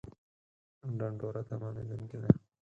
ډنډوره تمامېدونکې ده